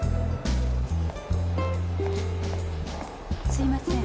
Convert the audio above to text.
すいません。